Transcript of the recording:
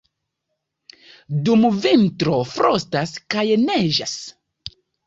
Dum vintro frostas kaj neĝas.